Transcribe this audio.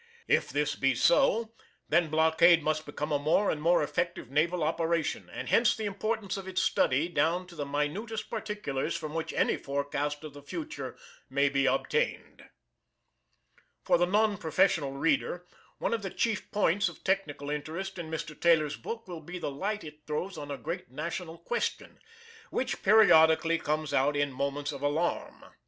If this be so, then blockade must become a more and more effective naval operation, and hence the importance of its study down to the minutest particulars from which any forecast of the future may be obtained. For the non professional reader one of the chief points of technical interest in Mr. Taylor's book will be the light it throws on a great national question, which periodically comes out in moments of alarm.